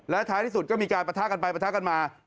ท้ายที่สุดก็มีการประทะกันไปประทะกันมา